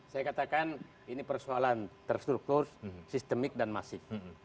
saya katakan ini persoalan terstruktur sistemik dan masif